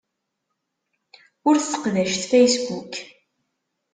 Ur sseqdacet Facebook.